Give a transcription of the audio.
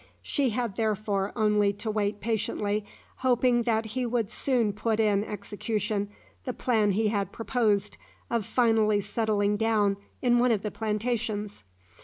She had therefore only to wait patiently, hoping that he would soon put in execution the plan he had proposed, of finally settling down in one of the plantations.